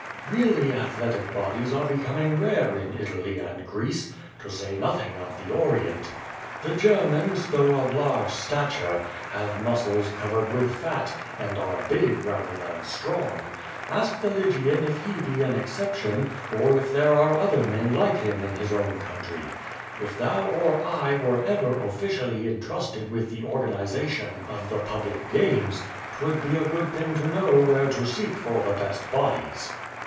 Really athletic bodies are becoming rare in Italy and Greece, to say nothing of the Orient. The Germans, though of large stature, have muscles 220 <?^^ VADT8. covered with fat, and are big rather tlian strong. Ask the Lygian if he be an exception, or if there are other men like him in his own country. If thou or I were ever officially entrusted with the organization of the public games, 'twould be a good thing to know where to seek for the best bodies.